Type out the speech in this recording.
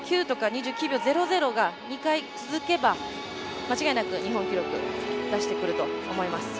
２９秒００が２回続けば間違いなく日本記録を出してくると思います。